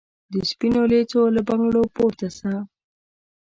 د سپینو لېڅو له بنګړو پورته سه